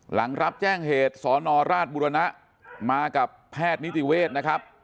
หลังรับแจ้งเหตุสนราชบุรณะมากับแพทย์นิติเวศนะครับ